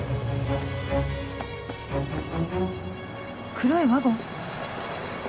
黒いワゴン？